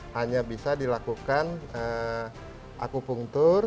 hanya bisa dilakukan akupunktur